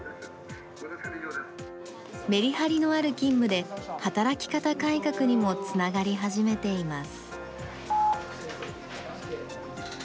メリハリのある勤務で、働き方改革にもつながり始めています。